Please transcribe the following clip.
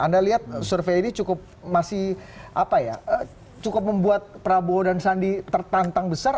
anda lihat survei ini cukup masih cukup membuat prabowo dan sandi tertantang besar